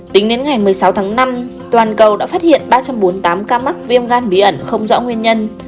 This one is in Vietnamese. tính đến ngày một mươi sáu tháng năm toàn cầu đã phát hiện ba trăm bốn mươi tám ca mắc viêm gan bí ẩn không rõ nguyên nhân